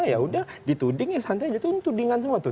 ya udah dituding ya santai aja tuh tudingan semua tuh